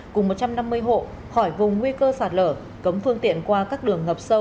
cùng một trăm năm mươi hộ khỏi vùng nguy cơ sạt lở cấm phương tiện qua các đường ngập sâu